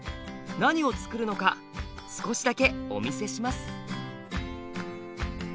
何をつくるのか少しだけお見せします。